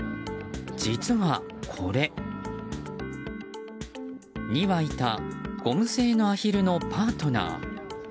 実はこれ、２羽いたゴム製のアヒルのパートナー。